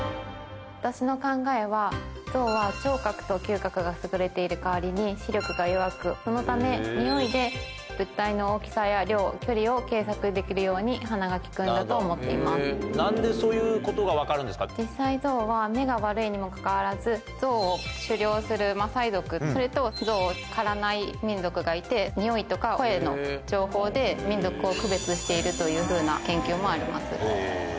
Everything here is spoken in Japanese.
私の考えは、ゾウは聴覚と嗅覚が優れているかわりに視力が弱く、このため、においで物体の大きさや量、距離を計測できるように、鼻が利なんでそういうことが分かる実際、ゾウは目が悪いにもかかわらず、ゾウを狩猟するマサイ族と、それとゾウを狩らない民族がいて、においとか声の情報で、民族を区別しているというふうな研究もあります。